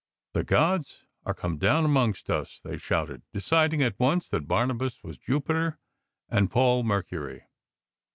" The gods are come down amongst us," they shouted, deciding at once that Barnabas was Jupiter and Paul Mercury.